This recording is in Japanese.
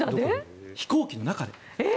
飛行機の中で。